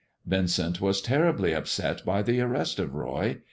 Vincent was terribly upset by the arrest of Roy.